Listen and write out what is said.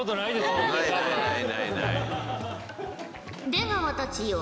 出川たちよ